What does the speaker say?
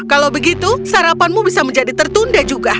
kalau begitu sarapanmu bisa menjadi tertunda juga